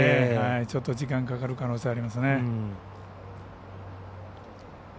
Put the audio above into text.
ちょっと時間かかる可能性がありますね。